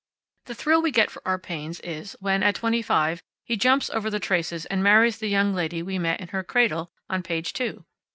The thrill we get for our pains is when, at twenty five, he jumps over the traces and marries the young lady we met in her cradle on page two.